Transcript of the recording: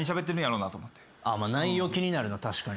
内容気になるな確かにね。